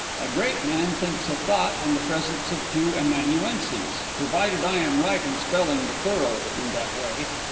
A great man thinks a thought in the presence of two amanuenses, provided I am right in spelling the plural in that way.